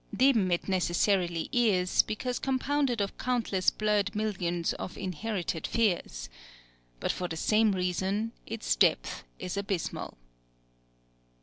Dim it necessarily is, because compounded of countless blurred millions of inherited fears. But for the same reason, its depth is abysmal.